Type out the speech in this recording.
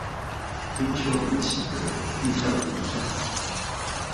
全球一起的地下組織